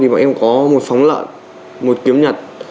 một phóng lợn một kiếm nhật